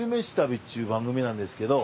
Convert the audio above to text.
っちゅう番組なんですけど。